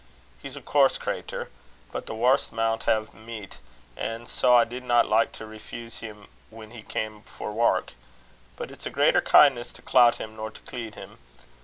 He's a coorse crater; but the warst maun hae meat, an' sae I didna like to refeese him when he cam for wark. But its a greater kin'ness to clout him nor to cleed him.